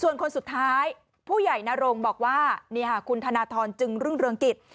ส่วนคนสุดท้ายผู้ใหญ่นรงบอกว่านี่ค่ะคุณธนทรจึงรุ่งเรืองกิจ